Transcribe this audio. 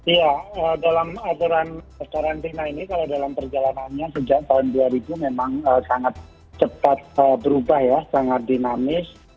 ya dalam aturan karantina ini kalau dalam perjalanannya sejak tahun dua ribu memang sangat cepat berubah ya sangat dinamis